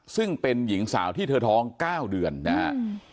ซึ่งเป็นหญิงสาวที่เธอท้อง๙เดือนนะฮะ